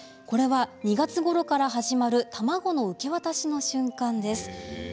これは、２月ごろから始まる卵の受け渡しの瞬間です。